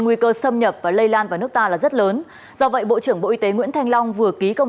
nguy cơ xâm nhập và lây lan vào nước ta là rất lớn do vậy bộ trưởng bộ y tế nguyễn thanh long vừa ký công